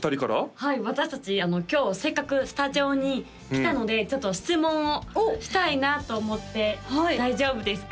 はい私達今日せっかくスタジオに来たのでちょっと質問をしたいなと思って大丈夫ですか？